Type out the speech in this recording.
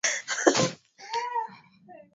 i inavyoendelea nchi inavyo develop